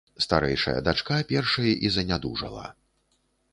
Старэйшая дачка першай і занядужала.